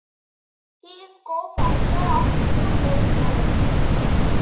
He is co-founder of New Rail Models.